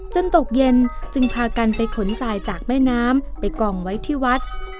ตกเย็นจึงพากันไปขนทรายจากแม่น้ำไปกองไว้ที่วัด